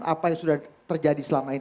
apa yang sudah terjadi selama ini